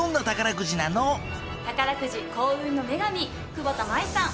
久保田茉衣さん